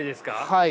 はい。